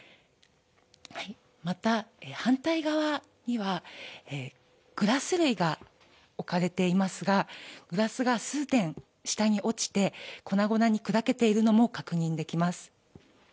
また、反対側にはグラス類が置かれていますが、グラスが数点、下に落ちて、粉々に砕けているのも確認できます。